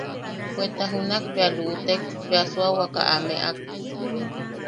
Bweta junak bea luʼutek, bea Suawaka a meʼak.